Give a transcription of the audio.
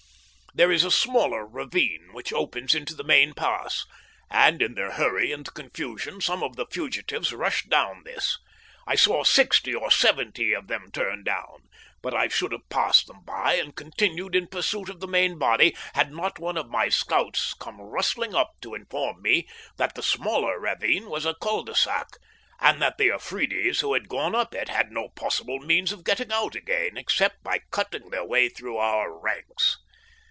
There is a smaller ravine which opens into the main pass, and in their hurry and confusion some of the fugitives rushed down this. I saw sixty or seventy of them turn down, but I should have passed them by and continued in pursuit of the main body had not one of my scouts come rustling up to inform me that the smaller ravine was a cul de sac, and that the Afridis who had gone up it had no possible means of getting out again except by cutting their way through our ranks.